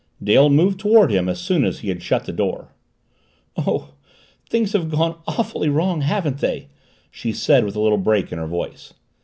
Dale moved toward him as soon as he had shut the door. "Oh, things have gone awfully wrong, haven't they?" she said with a little break in her voice.